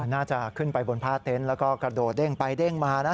น่าจะขึ้นไปบนผ้าเต็นต์แล้วก็กระโดดเด้งไปเด้งมานะ